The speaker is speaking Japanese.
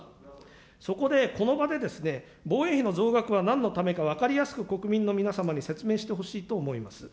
そこでこの場でですね、防衛費の増額はなんのためか分かりやすく国民の皆様に説明してほしいと思います。